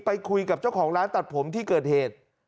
ไปคุยกับเจ้าของร้านตัดผมที่เกิดเหตุ